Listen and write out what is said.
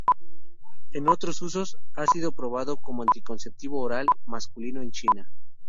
Entre otros usos, ha sido probado como anticonceptivo oral masculino en China.